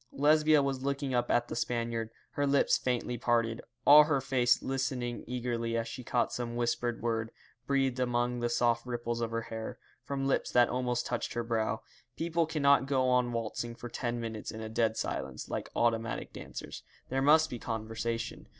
Lesbia was looking up at the Spaniard, her lips faintly parted, all her face listening eagerly as she caught some whispered word, breathed among the soft ripples of her hair, from lips that almost touched her brow. People cannot go on waltzing for ten minutes in a dead silence, like automatic dancers. There must be conversation.